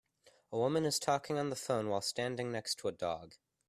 A woman is talking on the phone while standing next to a dog.